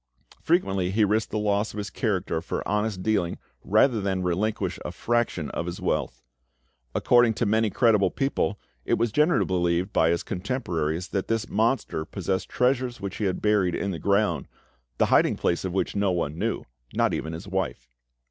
Frequently he risked the loss of his character for honest dealing rather than relinquish a fraction of his wealth. According to many credible people, it was generally believed by his contemporaries that this monster possessed treasures which he had buried in the ground, the hiding place of which no one knew, not even his wife.